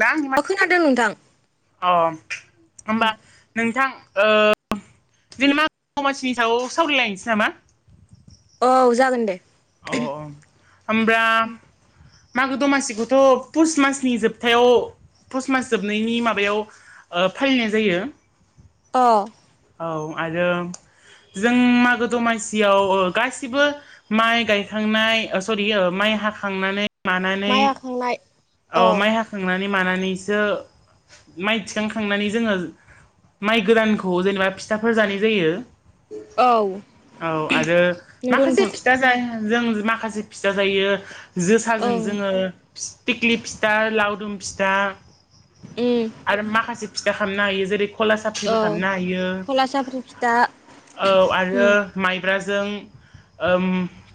दा आं मा अ खोनादों नोंथां अ होमबा नोंथां ओ इदिनो मागो दसिनि सायाव सावरायलायनोसै नामा? औ जागोन दे अ अ होमब्रा मागो दमासिखौथ पुस मासनि जोबथायाव पुस मास जोबनायनि माबायाव ओ फालिनाय जायो अ औ आरो जों मागो दमासियाव ओ गासिबो माइ गायखांनाय ओ सरि ओ माइ हाखांनानै मानानै माइ हाखांनाय अ माइ हाखांनानै मानानोसो माइ थिखांखांनानै जोङो माइ गोदानखौ जेनेबा फिथाफोर जानाय जायो औ औ आरो नंगौ माखासे नोंथां फिथा जाया जों माखासे फिसा जायो जोसाजों ओं जोङो फि थिख्लि फिथा लावदुम फिथा उम आरो माखासे फिथा खामनो हायो जेरै खला साफ्रिबो औ खामनो हायो खला साफ्रि फिथा औ आरो उम माइ ब्राजों ओम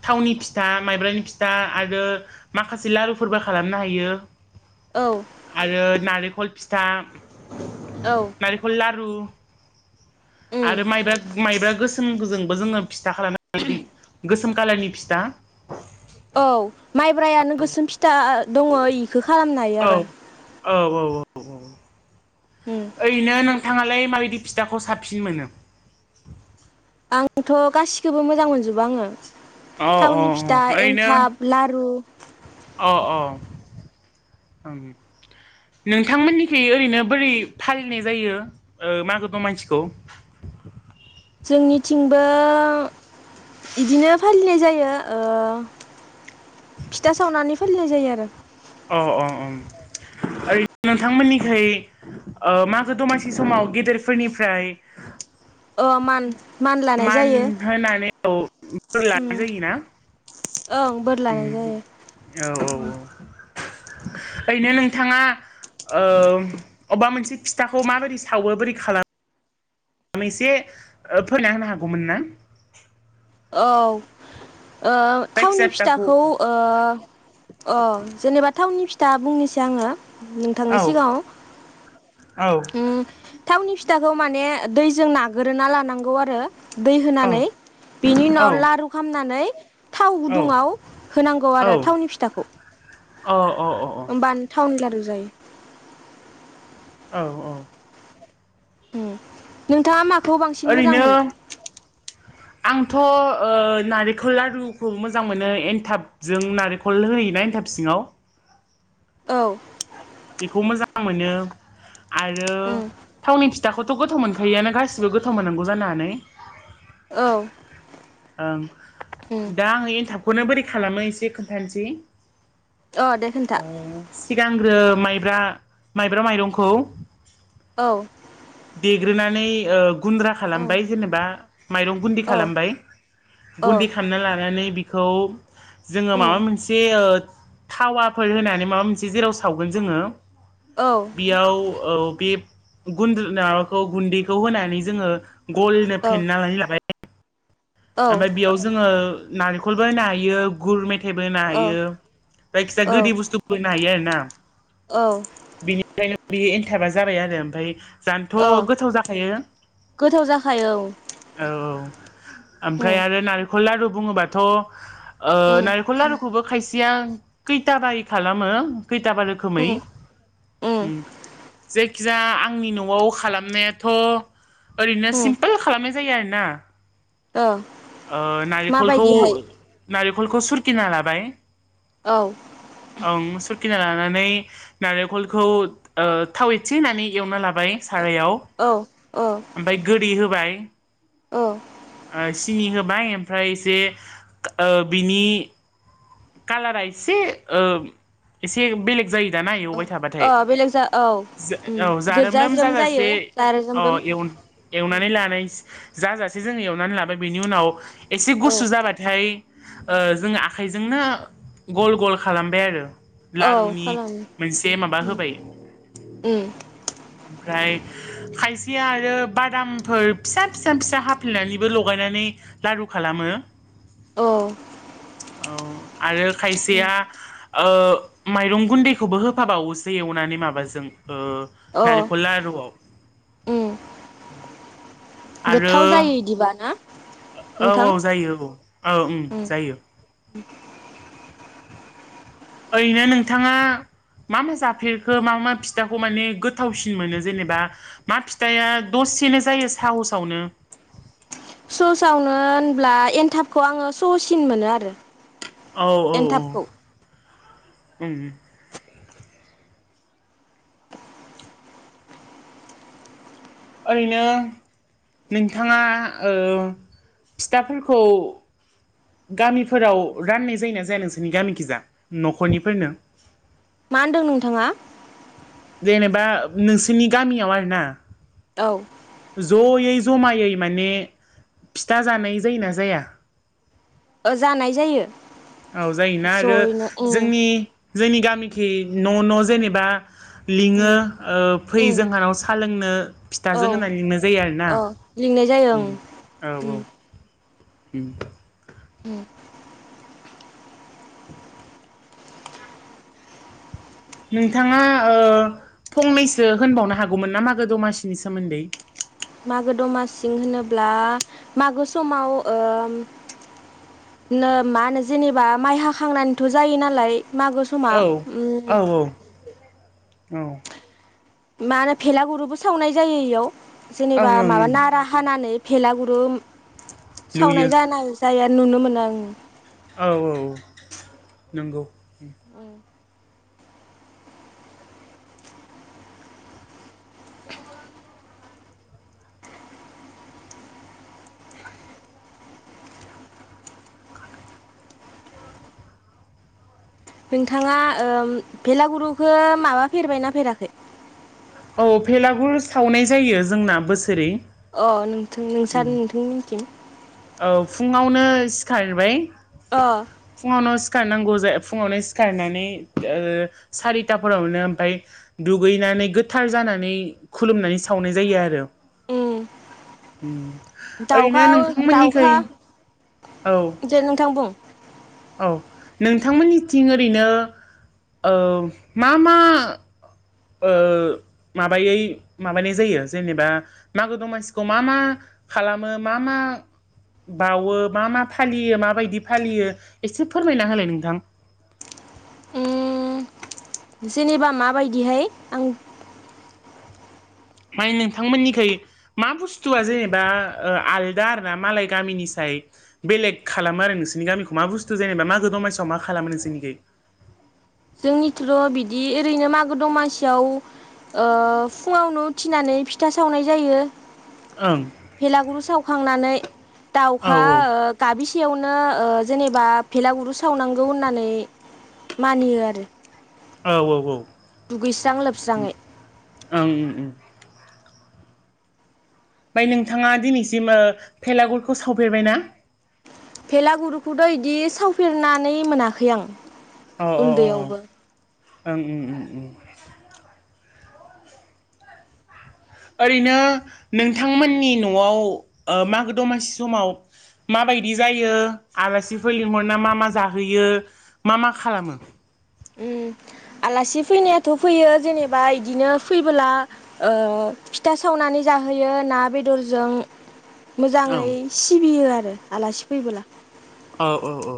थावनि फिथा माइब्रानि फिथा आरो माखासे लारुफोरबो खालामनो हायो। औ आरो नारेखल फिथा औ नारेखल लारु उम आरो माइब्रा माइब्रा गोसोम जों जोङो फिथा खालामनो गोसोम कालारनि फिथा औ माइब्रायानो गोसोम फिथा दङ इखो खालामनो हायो आरो औ औ औ औ उम ओरैनो नोंथाङालाय माबायदि फिथाखौ साबसिन मोनो? आंथ गासिखौबो मोजां मोनजोबो आङो। अ अ थावनि अ फिथा ओरैनो एन्थाब लारु अ अ ओम नोंथांमोननिखि ओरैनो बोरै फालिनाय जायो मागो ओ दमानसिखौ? जोंनिथिंबो इदिनो फालिनाय जायो ओ फिथा सावनानै फालिनाय जायो आरो अ अ ओम ओरै नोंथांमोननिखै ओ मागो दमासि समाव गेदेरफोरनिफ्राय अ मान लानाय मान जायो होनानै [unintelligible] बोर उम लानाय जायोना? ओं बोर लानाय उम औ जायो ओम औ ओरैनो नोंथाङा ओ अबबा मोनसे फिथाखौ माबोरै सावो बोरै खालाम मो एसे ओ फोरना होनो हागौमोन ना? औ। ओ थावनि फिथाखौ ओ अ जेनेबा थावनि फिथ था बुंनोसै आङो औ नोंथांनि सिगाङाव ओम थावनि फिथाखौ माने दैजों नागोरोना लानांगौ आरो दै औ होनानै। बिनि औ उनाव लारु खालामनानै थाव औ अ गुदुङाव होनांगौ आरो थावनि फिथाखौ। अ अ अ अ। थाउनि लारु जायो। औ औ। ओम नोंथाङा माखौ बांसिन मोजां ओरैनो मोनो? आंथ' ओ नारेंखल लारुखौ मोजां मोनो एनथाबजों नारेंखल होयोना एनथाब सिङाव। औ। खौ मोजां मोनो आरो उम थावनि फि थाखौथ' गोथाव मोनखायोआनो गासिबो गोथाव मोननांगौ जानोनानै। औ ओं उम दा आङो एनथाब खौनो बोरै खालामो एसे खोनथानोसै अ दे खोन्था ओ सिगांग्रो माइब्रा माइब्रा माइरंखौ औ। देग्रोनानै ओ गुन्द्रा औ खालामबाय जेनेबा माइरं गुन्दि औ खालामबाय औ गुन्दि खालामना लानानै बिखौ जोङो उम माबा मोनसे ओ थावाफोर होनानै माबा मोनसे जेराव सावगोन जोङो औ बेयाव ओ बे गुन्द [unintelligible] माबाखौ गुन्दैखौ होनानै जोङो गलनो औ फेन्ना लै लाबाय। ओमफाय बेयाव जोङो नारेखलबो होनो हायो गुर मेथा थाइबो होनो औ हायो जायखिजाया औ गोदै बुस्थुबो होनो हायो आरो ना। औ बेनिफ्रायनो बेयो एनथाबा जाबाय आरो ओमफ्राय औ जानोथ' गोथाव जाखायो गोथाव जाखायो औ औ औ। ओमफ्राय उम आरो नारेंखल लारु बुङोबाथ' ओ उम नारेंखल लारुखौबो खायसे सेया खैथाबायै खालामो। खैथाबा रोखोमै उम उम ओम जे खिजा आंनि न'आव खालामनायाथ' ओरैनो उम सिमपोल खालामनाय जायो आरो ना। ओ ओ नारेखलखौ माबायदिहाय नारे खलखौ सुरखिना लाबाय औ ओम सुरखिना ला नानै नारेखलखौ ओ थाव एसे होनानै एवना ला बाय सारायाव औ ओमफ्राय गोदै होबाय ओ। ओ सिनि होबाय ओमफ्राय एसे ओ बिनि कालारा एसे ओ एसे बेलेग जायो दाना एवबाय थाबाथाय ओ बेलेग जा औ जा उम औ गोजा जारोमरोम ज्रोम जायो जाजासे जारो औ जोमरोम एव एव नानै लानाय जाजासे जोङो एवनानै लाबाय बेनि उनाव एसे औ गुसु जाबाथाय ओ जोङो आखाइजोंनो गल गल खालामबाय आरो। औ लारुनि खालामो मोनसे माबा उम होबाय उम ओमफ्राय खायसेया आरो बादामफोर फिसा फिसा फिसा हाफ्लेनानैबो लगायनानै लारु खालामो। औ। औ आरो उम खायसेया ओ माइरं गुन्दैखौबो होफाबावोसो एवनानै माबाजों ओ अ नारेखल लारुवाव, उम गोथाव जायो इदिबा ना? औ नोंथां औ जायो औ औ ओं उम जायो। [inaudible] ओरैनो नोंथाङा मा मा जाफेरखो मा मा फिथाखौ माने गोथावसिन मोनो जेनेबा मा फिथाइा दसे सेनो जायो साहसावनो। सहसावनो होनब्ला एनथाबखौ आङो सहसिन मोनो आरो। औ औ औ एनथाबखौ उ- ओरैनो नोंथाङा ओ- फिथाफोरखौ गामिफोराव राननाय जायोना जाया नोंसोरनि गामिखिजा न'खरनिफोरनो मा होनदों नोंथाङा जेनेबा नोंसोरनि गामियाव आरोना औ जयै जमायै माने फिथा जानाय जायोना जाया? जानाय जायो। औ जायोना आरो जयैनो उम जोंनि जोंनि गामिखि न' न' जेनेबा लिङो उम ओ- फै उम जोंहानाव साहा लोंनो फिथाजों होननानै लिंनाय जायो आरोना। नाय ज उ- उ- म [unintelligible] उ नोंथाङा ओ- फंनैसो होनबावनो हागौमोन ना मागो दमासिनि सोमोन्दै? मागो दमासि होनोब्ला मागो समाव ओ- नो मा होनो जेनेबा माइ हाखांनानैथ' जायो नालाय मागो समा औ उम- औ औ। मा होनो फेला गुरुबो सावनाय जायो इयाव जेनेबा ओं ओं माबा नारा हानानै। भेला गुरु लुयो सावनाय ज ना जाय नुनो मोनो आं। औ औ नंगौ। उ [inaudible] नोंथाङा ओ- भेलागुरुखौ माबा फेरबायनाा फेराखै? औ भेलागुर सावनाय जायो जोंना बोसोरै। अ नोंथ उम नोंसार नोंथां मिथि [unintelligible] औ फुङावनो सिखारबाय अ फुङावनो सिखारनांगौ। फुावनो सिखारनानै ओ- सारिथाावनो मफ्राय दुगैनानै गोथ जानानै खुलुमनानै सावनाय जायो आरो उम उ ओरैनो दाउखा नों- नि दाउखा औ दे नोंथां बुं औ नोंथांमोननिथिं ओरैनो ओ- मा मा ओ- माबायै माबानाय जायो जेनेबा मागो दमासिखौ मा मा खालामो मा मा बाउो मा मा फालियो माबायदि फालियो एसे फोरमायना होलाय नोंथां। उ जेनेबा माबायदिहाय आं मानि नोंथांमोननिखै मा बुस्थुआ जेनेबा आलदा आर ना मालाय गामिनि सायाव बेले खालामो आरो नोंसोरनि गामिखौ मा बुस्थु जेनेबा मागो दमाइसिआव मा खालामो नोंसोरनिखि जोंनिथ'' बिदि ओरैनो मागो दं मानसियाव ओ फुङावनो उथिनानै फिथा सावनाय जायो ओं भेलागुरु सावखांनानै औ दाउखा गाबि खाथियावनो ओ जेनेबा भेलागुरु सावनांगौ होननानै मानियो आरो औ औ औ दुगैस्रां लोबस्राङै ओमफ्राय ओमफ्राय नोंथाङा दिनैसिम ओ भेलागुरखौ सावफेरबायना भेलागुरुखौथ' इदि सावफेरनानै मोनाखै आं अ अ अ ओं उन्दैयावबो ओं ओं ओं ओरैनो नोंथांमोननि न'आव ओ मागो दमासि समाव माबायदि जायो आलासिफोर लिंहरना मा मा जाहोयो मा मा खालामो उम। आलासि फैनायाथ' फैयो जेनेबा इदिनो फैबोला ओ फिथा सावनानै नानै जाहोयो ना बेदरजों औ मोजाङै सिबियो आरो आलासि फैबोला औ औ औ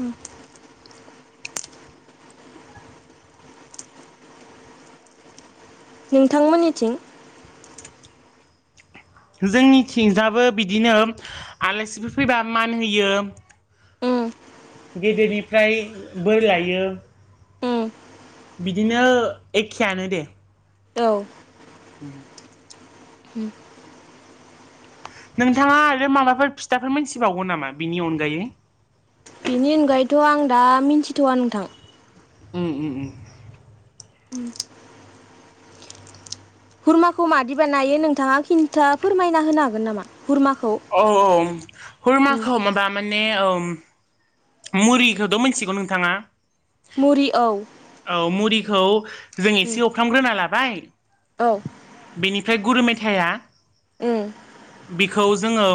उम नोंथांमोननिथिं जोंनिथिंजाबो बिदिनो आलासिफोर फैबा मान होयो उम गेदेरनिफ्राय बोर लायो उम बिदिनो एखेयानो दे औ [inaudible] उम नोंथाङा आरो माबाफोर फिथाफोर मोनथिबावो नामा बिनि अनगायै बेनि अनगायैथ' आं दा मिथिथ'वा नोंथां उम उम उम उम खुरमाखौ मादि बानायो नोंथाङा खिन्था फोरमायना होनो हागोन नामा हुरमाखौ औ औ उम खुरमाखौ माबा माने औ मुरिखौथ' मिथिगौ नोंथाङा मुरि औ औ मुरिखौ जों उम एसे एउफ्रामग्रोना लाबाय औ बेनिफ्राय गुरु मेथाया उम बिखौ जोङो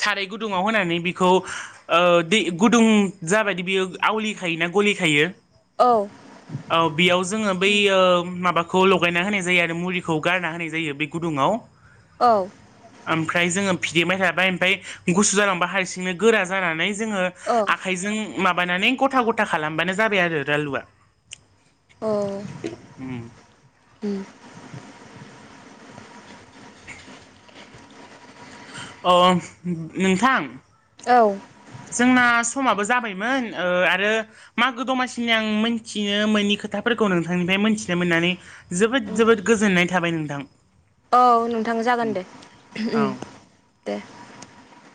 साराय गुदुङाव होनानै बिखौ ओ दै गुदुं जाबायदि बियो आवलि खायोना गलि खायो औ औ बेयाव जोङो बै उम माबाखौ खौ लगायना होनाय जायो आरो मुरिखौ गारना होनाय जायो बे गुदुंङाव औ ओमफ्राय जोङो फि देबाय थाबाय ओमफ्राय गुसु जालांबा हारसिंनो गोरा जानानै जोङो आखाइजों मा बानानै गथा गथा खालामबानो जाबाय लारुआ औ उम उम अ नोंथां औ जोंना समाबो जाबायमोन ओ आरो मागो दमासिनि आं मिथिनो मोननि खोथाफोरखौ नोंथांनिफ्राय मोनथिनो मोननानै जोबोद जोबोद गोजोननाय थाबाय नोंथां औ नोंथां जागोन दे उम औ दे